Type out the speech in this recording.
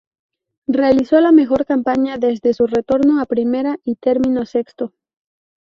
Realizó la mejor campaña desde su retorno a primera y terminó sexto.